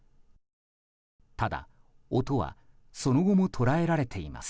ただ、音はその後も捉えられています。